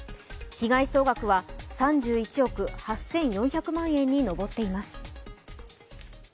被害総額は３１億８４００万円に上っています。